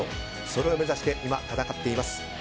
それを目指して今、戦っています。